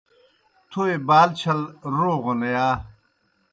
تھوئے بال چھل روغَن یا؟